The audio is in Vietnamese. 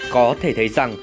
có thể thấy rằng